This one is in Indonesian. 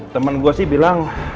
temen gue sih bilang